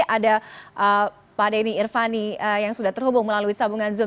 ada pak denny irvani yang sudah terhubung melalui sambungan zoom